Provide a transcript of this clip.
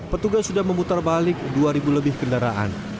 petugas sudah memutar balik dua lebih kendaraan